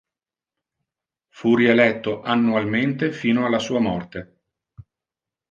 Fu rieletto annualmente fino alla sua morte.